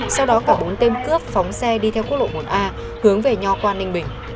sau đó cả bốn tên cướp phóng xe đi theo quốc lộ một a hướng về nho qua ninh bình